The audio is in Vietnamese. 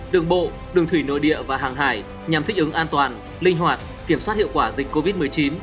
đường bộ đường thủy nội địa và hàng hải nhằm thích ứng an toàn linh hoạt kiểm soát hiệu quả dịch covid một mươi chín